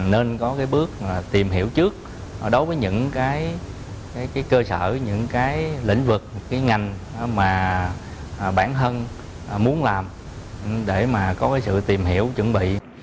nên có bước tìm hiểu trước đối với những cơ sở những lĩnh vực những ngành mà bản thân muốn làm để có sự tìm hiểu chuẩn bị